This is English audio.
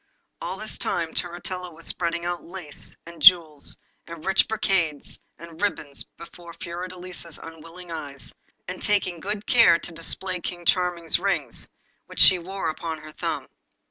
All this time Turritella was spreading out lace, and jewels, and rich brocades, and ribbons before Fiordelisa's unwilling eyes, and taking good care to display King Charming's ring, which she wore upon her thumb.